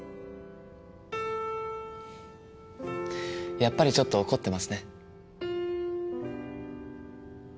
やっぱりちょっと怒ってますね。